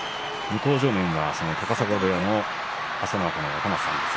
向正面は高砂部屋の朝乃若の若松さんです。